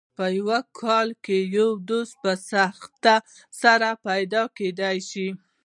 په یو کال کې یو دوست په سختۍ سره پیدا کېدای شي.